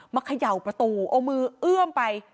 เขย่าประตูเอามือเอื้อมไป